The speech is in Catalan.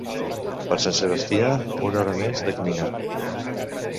Per Sant Sebastià, una hora més de caminar.